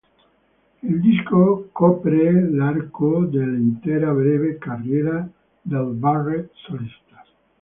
Il disco copre l'arco dell'intera breve carriera del Barrett solista.